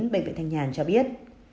bệnh viện thanh nhàn cho biết